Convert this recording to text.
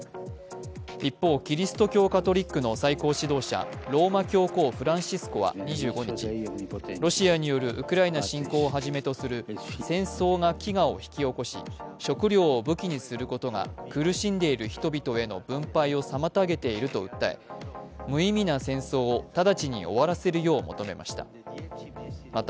一方、キリスト教カトリックの最高指導者、ローマ教皇フランシスコは２５日ロシアによるウクライナ侵攻をはじめとする戦争が飢餓を引き起こし、食料を武器にすることが苦しんでいる人々への分配を妨げていると訴え無意味な戦争を直ちに終わらせるよう求めました。